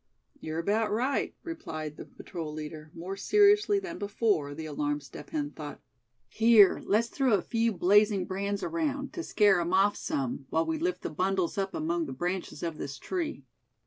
"You're about right," replied the patrol leader, more seriously than before, the alarmed Step Hen thought. "Here, let's throw a few blazing brands around, to scare 'em off some, while we lift the bundles up among the branches of this tree.